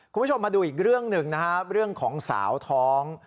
คุณผู้ชมมาดูอีกเรื่องหนึ่งนะครับเรื่องของสาวท้อง